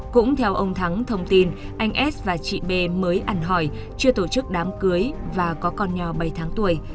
cũng theo ông thắng thông tin anh s và chị b mới ăn hỏi chưa tổ chức đám cưới và có con nhỏ bảy tháng tuổi